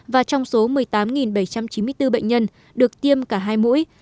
và trong số một mươi tám bảy trăm chín mươi bốn bệnh nhân được tiêm cả hai mũi